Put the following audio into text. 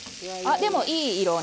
でもいい色に。